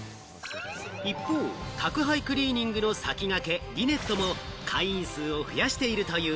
一方、宅配クリーニングの先駆け、リネットも会員数を増やしているという。